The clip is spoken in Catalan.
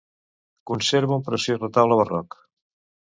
Conserva un preciós retaule barroc.